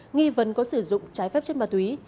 nghi vấn có sử dụng trái phép chất ma túy